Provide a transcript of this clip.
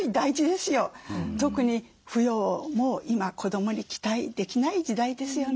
特に扶養も今子どもに期待できない時代ですよね。